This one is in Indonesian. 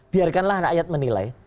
biarkanlah rakyat menilai